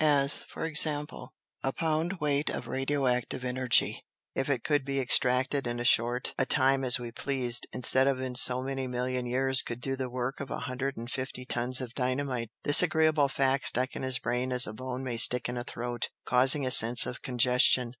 As, for example "A pound weight of radio active energy, if it could be extracted in as short a time as we pleased, instead of in so many million years, could do the work of a hundred and fifty tons of dynamite." This agreeable fact stuck in his brain as a bone may stick in a throat, causing a sense of congestion.